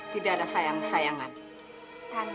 tidak ada sayang sayangan